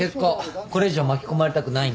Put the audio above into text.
これ以上巻き込まれたくないんで。